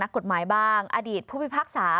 กฎหมายบ้างอดีตผู้พิพากษา